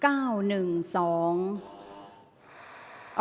ออกรางวัลที่๖